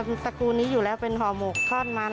พ่อแม่เขาทำพวกสกูรนี้อยู่แล้วเป็นโฮมูกทอดมัน